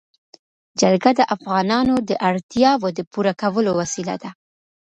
جلګه د افغانانو د اړتیاوو د پوره کولو وسیله ده.